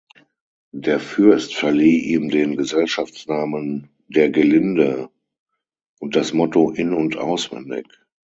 Der Fürst verlieh ihm den Gesellschaftsnamen „der Gelinde“ und das Motto „in- und auswendig“.